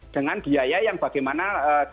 dengan biaya yang bagaimana